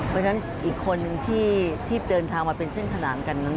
เพราะฉะนั้นอีกคนนึงที่เดินทางมาเป็นเส้นขนานกัน